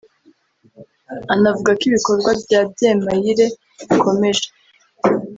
Anavuga ko ibikorwa bya Byemayire bikomeje